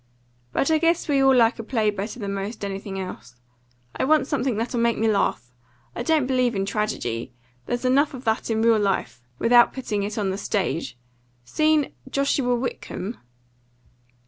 But I guess we all like a play better than 'most anything else. I want something that'll make me laugh. I don't believe in tragedy. I think there's enough of that in real life without putting it on the stage. Seen 'Joshua Whitcomb'?"